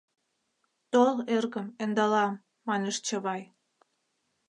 — Тол, эргым, ӧндалам, — манеш Чавай.